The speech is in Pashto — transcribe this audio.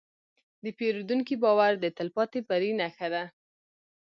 د پیرودونکي باور د تلپاتې بری نښه ده.